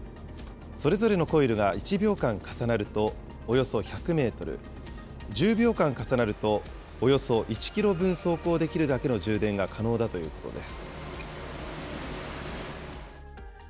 それぞれのコイルが１秒間重なるとおよそ１００メートル、１０秒間重なるとおよそ１キロ分走行できるだけの充電が可能だということです。